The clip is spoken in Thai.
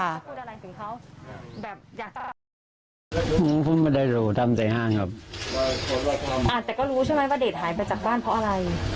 นั้นผมไม่ได้รู้ก็กลัวกันดิ